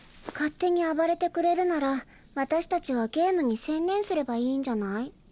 勝手に暴れてくれるなら私たちはゲームに専念すればいいんじゃない？